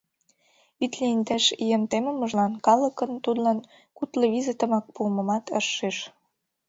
Витле индеш ийым темымыжлан калыкын тудлан кудло визытымак пуымымат ыш шиж.